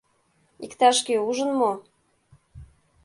Иктаж-кӧ ужын мо?